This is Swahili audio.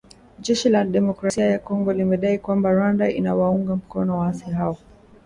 Jeshi la Demokrasia ya Kongo limedai kwamba Rwanda inawaunga mkono waasi hao